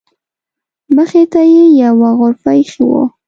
مخې ته یې یوه غرفه ایښې وه.